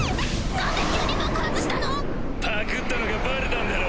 なんで急に爆発したの⁉パクったのがバレたんだろ。